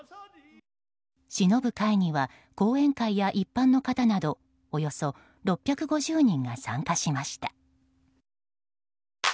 しのぶ会には後援会や一般の方などおよそ６５０人が参加しました。